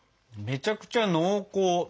めちゃくちゃ濃厚。